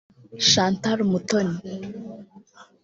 Chantal Umutoni